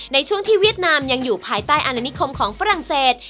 ในช่วงที่เวียดนามยังอยู่ภายใต้อาณิคมของฝรั่งเศส